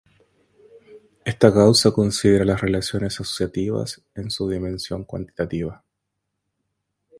Esta causa considera las relaciones asociativas en su dimensión cuantitativa.